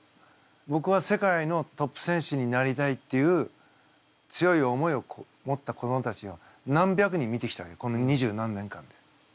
ぼくは世界のトップ選手になりたいっていう強い思いを持った子どもたちを何百人見てきたわけこの二十何年間で。